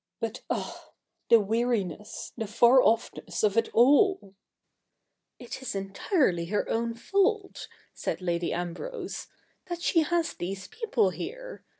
But ah ! the weariness, the far offness of it all "'' It is entirely her own fault,' said Lady Ambrose, ' that she has these people here.